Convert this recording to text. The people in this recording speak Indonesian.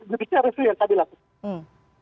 jenis resursi yang kami lakukan